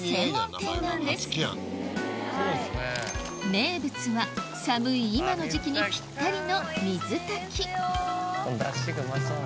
名物は寒い今の時季にぴったりの水炊きだしがうまそう。